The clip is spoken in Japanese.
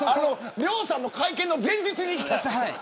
亮さんの会見の前日に行きたい。